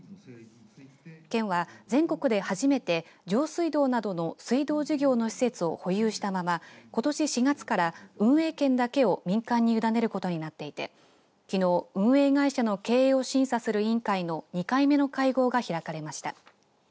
県は、全国で初めて上水道などの水道事業の施設を保有したままことし４月から運営権だけを民間に委ねることになっていてきのう、運営会社の経営を審査する委員会の２回目の会合が開かれました。